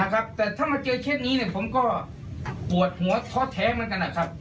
แต่ถ้ามาเจอแค่นี้ผมก็ปวดหัวท้อแท้เหมือนกันนะครับ